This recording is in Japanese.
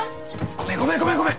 ごめんごめんごめんごめん！